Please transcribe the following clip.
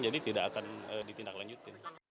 jadi tidak akan ditindaklanjutin